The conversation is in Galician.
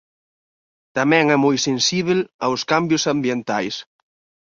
Tamén é moi sensíbel aos cambios ambientais.